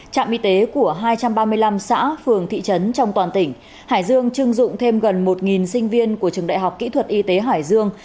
trạm y tế của hai trăm ba mươi năm xã phường thị trấn trong toàn tỉnh hải dương chưng dụng thêm gần một sinh viên của trường đại học kỹ thuật y tế hải dương